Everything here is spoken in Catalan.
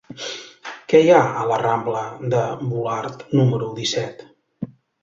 Què hi ha a la rambla de Volart número disset?